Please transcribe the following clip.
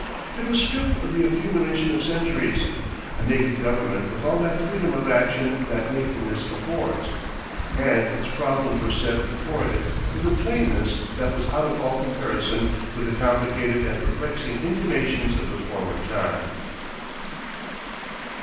It was stripped of the accumulation of centuries, a naked government with all that freedom of action that nakedness affords. And its problems were set before it with a plainness that was out of all comparison with the complicated and perplexing intimations of the former time.